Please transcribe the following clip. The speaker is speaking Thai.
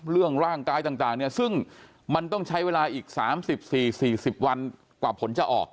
เรื่องร่างกายต่างเนี่ยซึ่งมันต้องใช้เวลาอีก๓๔๔๐วันกว่าผลจะออก